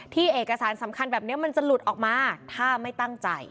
เอกสารสำคัญแบบนี้มันจะหลุดออกมาถ้าไม่ตั้งใจ